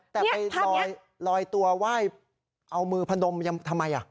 แต่ไปลอยตัวไหว้เอามือพนมยังทำไม